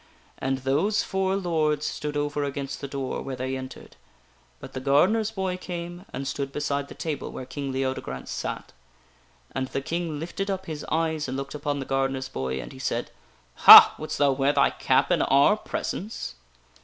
And those four lords stood over against the door, where they entered ; but the gardener's boy came and stood beside the table where King Leodegrance sat. And the King lifted up his eyes and looked upon the gardener's boy, and he said : "Ha! Wouldst thou wear thy cap in our presence